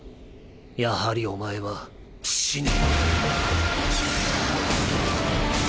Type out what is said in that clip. やはりお前は死ね！